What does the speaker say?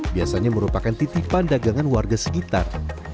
biasanya merupakan titipan dagangan warga sekitar